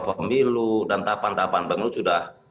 pemilu dan tahapan tahapan pemilu sudah